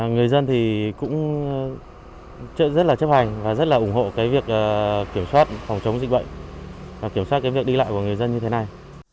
người dân thì cũng rất là chấp hành và rất là ủng hộ cái việc kiểm soát phòng chống dịch bệnh và kiểm soát cái việc đi lại của người dân như thế này